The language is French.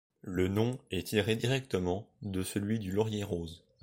Le nom est tiré directement de celui du laurier rose.